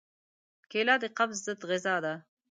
کېله د قبض ضد غذا ده.